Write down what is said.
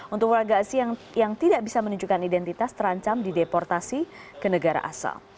untuk warga asing yang tidak bisa menunjukkan identitas terancam di deportasi ke negara asal